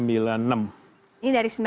ini dari sembilan puluh enam ya